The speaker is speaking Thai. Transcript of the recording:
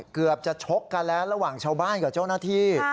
เกือบจะชกกันแล้วระหว่างชาวบ้านกับเจ้าหน้าที่